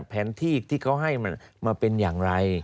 แผนที่ที่เขาให้มันมาเป็นอย่างไร